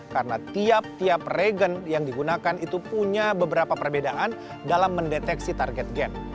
karena tiap tiap regen yang digunakan itu punya beberapa perbedaan dalam mendeteksi target gen